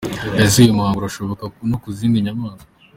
Ese uyu muhango urashoboka no ku zindi nyamaswa?.